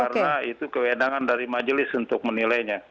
karena itu kewenangan dari majelis untuk menilainya